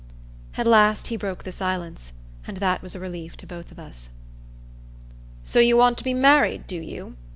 At last he broke the silence, and that was a relief to both of us. "So you want to be married, do you?"